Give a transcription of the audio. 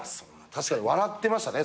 確かに笑ってましたね。